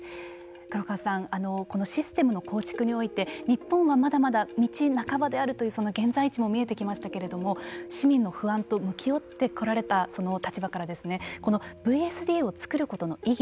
黒川さん、このシステムの構築において日本はまだまだ道半ばであるというその現在地も見えてきましたけれども市民の不安と向き合ってこられた立場からこのＶＳＤを作ることの意義